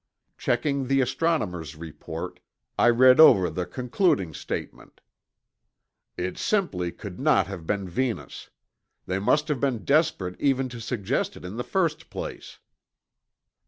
Checking the astronomer's report, I read over the concluding statement: "It simply could not have been Venus. They must have been desperate even to suggest it in the first place."